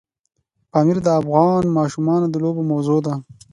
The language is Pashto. پامیر د افغان ماشومانو د لوبو موضوع ده.